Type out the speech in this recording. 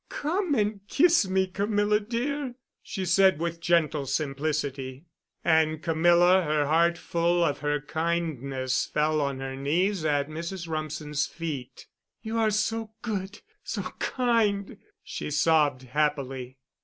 Come and kiss me, Camilla, dear," she said with gentle simplicity. And Camilla, her heart full of her kindness, fell on her knees at Mrs. Rumsen's feet. "You are so good—so kind," she sobbed happily.